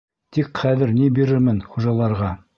Тик хәҙер ни бирермен хужаларға?